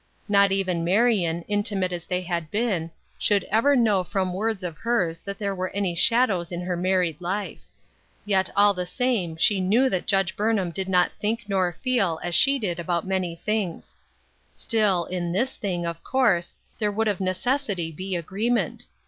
Not even Marion, intimate as they had been, should ever know from words of hers that there were any shadows in her married life. Yet all the same she knew that Judge Burnham did not think nor feel as she did about many things. Still, in this thing, of course, there would of necessity be agreement.